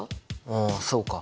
ああそうか。